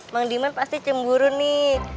bang diman pasti cemburu nih